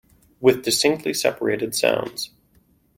With distinctly separated sounds.